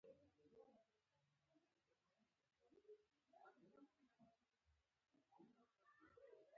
اوبه د زړه روغتیا ته مهمې دي.